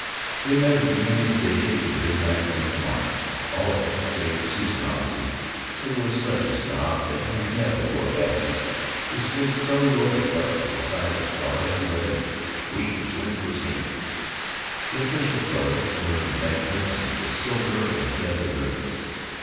They met at the Union Station for the midnight train to Monarch. All of them, save Cecil Rountree, who was such a snob that he never wore badges, displayed celluloid buttons the size of dollars and lettered "We zoom for Zenith." The official delegates were magnificent with silver and magenta ribbons.